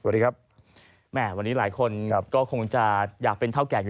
เลยต้องดูว่าเราเหมาะสมในการเป็นเท่าแก่